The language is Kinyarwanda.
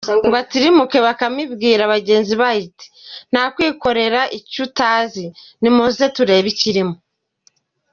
Ngo itirimuke, Bakame ibwira bagenzi bayo iti « nta kwikorera icyo utazi, nimuze turebe ikirimo.